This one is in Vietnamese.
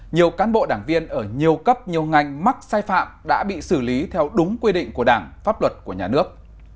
nhiều cán bộ đảng viên ở nhiều cấp nhiều ngành mắc sai phạm đã bị xử lý theo đúng quy định của đảng pháp luật của nhà nước